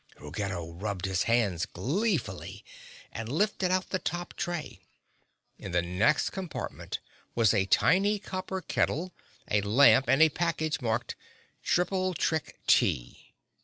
Ruggedo rubbed his hands gleefully and lifted out the top tray. In the next compartment was a tiny copper kettle, a lamp and a package marked "Triple Trick Tea."